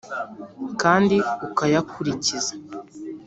kandi ukayakurikiza,